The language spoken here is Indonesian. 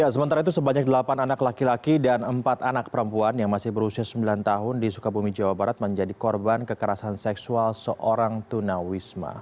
sementara itu sebanyak delapan anak laki laki dan empat anak perempuan yang masih berusia sembilan tahun di sukabumi jawa barat menjadi korban kekerasan seksual seorang tunawisma